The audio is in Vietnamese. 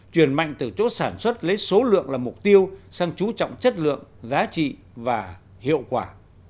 chuyển mạnh từ chỗ sản xuất lấy số lượng là mục tiêu sang chú trọng chất lượng giá trị và hiệu quả